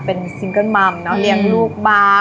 เป็นซิงเกิลมัมเนอะเลี้ยงลูกบ้าง